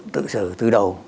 tự xử từ đầu